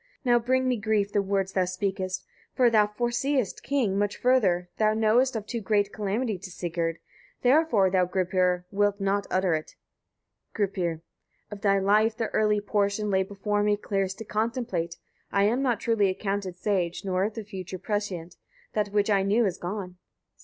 Now bring me grief the words thou speakest; for thou foreseest, king! much further; thou knowest of too great calamity to Sigurd; therefore thou, Gripir! wilt not utter it. Gripir. 21. Of thy life the early portion lay before me clearest to contemplate. I am not truly accounted sage, nor of the future prescient: that which I knew is gone.